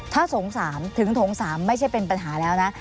ถ้าโถง๓ถึงโถง๓ไม่ใช่เป็นปัญหาแล้วนะ